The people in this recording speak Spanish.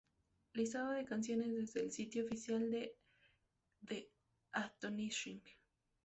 Listado de canciones desde el sitio oficial de "The Astonishing".